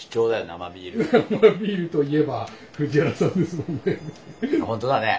生ビールといえば藤原さんですもんね。